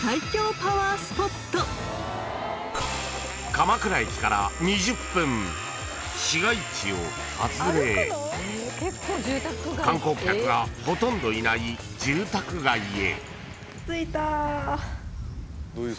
［鎌倉駅から２０分市街地を外れ観光客がほとんどいない住宅街へ］